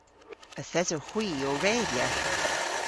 Yth esowgh hwi ow redya.